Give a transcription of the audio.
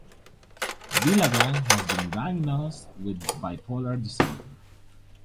Villagran has been diagnosed with bipolar disorder.